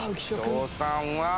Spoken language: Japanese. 伊藤さんは。